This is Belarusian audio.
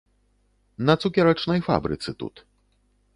На цукерачнай фабрыцы тут.